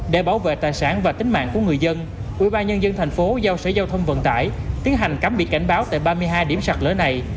để bảo vệ tài sản và tính mạng của người dân ubnd tp hcm tiến hành cắm bị cảnh báo tại ba mươi hai điểm sạt lỡ này